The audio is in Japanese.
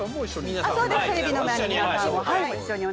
テレビの前の皆さんも一緒にと。